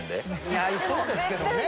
似合いそうですけどね。